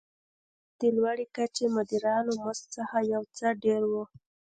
دا د لوړې کچې مدیرانو مزد څخه یو څه ډېر و.